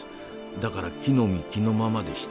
だから着のみ着のままでした。